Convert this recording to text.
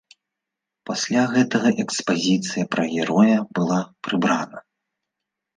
Пасля гэтага экспазіцыя пра героя была прыбрана.